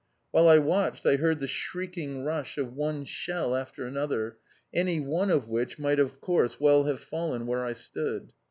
While I watched I heard the shrieking rush of one shell after another, any one of which might of course well have fallen where I stood.